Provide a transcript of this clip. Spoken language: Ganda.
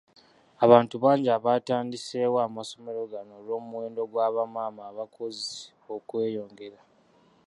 Abantu bangi abatandiseewo amasomero gano olw’omuwendo gwa ba maama abakozi okweyongera.